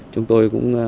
chúng tôi cũng